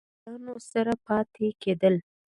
او دَباغيانو سره پاتې کيدل